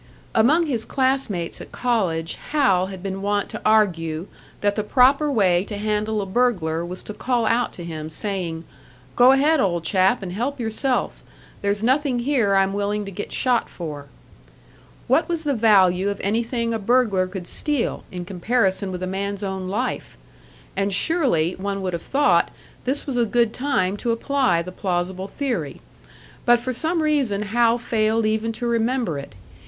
Among his class mates at college, Hal had been wont to argue that the proper way to handle a burglar was to call out to him, saying, "Go ahead, old chap, and help yourself; there's nothing here I'm willing to get shot for." What was the value of anything a burglar could steal, in comparison with a man's own life? And surely, one would have thought, this was a good time to apply the plausible theory. But for some reason Hal failed even to remember it.